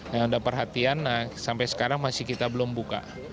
yang ada perhatian sampai sekarang masih kita belum buka